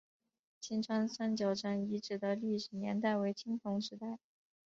金川三角城遗址的历史年代为青铜时代。